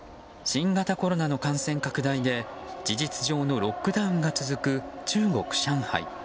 新型コロナの感染拡大で事実上のロックダウンが続く中国・上海。